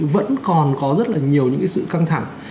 vẫn còn có rất là nhiều những cái sự căng thẳng